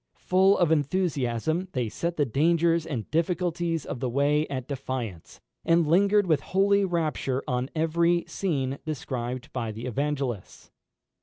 Full of enthusiasm, they set the dangers and difficulties of the way at defiance, and lingered with holy rapture on every scene described by the Evangelists.